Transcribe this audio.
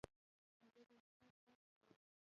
زه د استاد درس اورم.